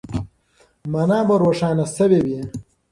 مانا به روښانه سوې وي.